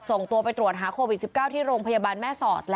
ส่งตัวไปตรวจหาโควิด๑๙ที่โรงพยาบาลแม่สอด